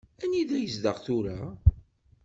Anida yezdeɣ tura?